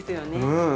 うん。